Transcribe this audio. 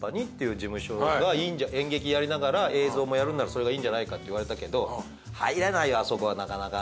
演劇やりながら映像もやるんならそれがいいんじゃないかって言われたけど「入れないよあそこはなかなか」